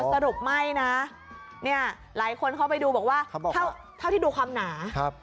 สรุปไม่นะเนี่ยหลายคนเข้าไปดูบอกว่าเท่าที่ดูความหนา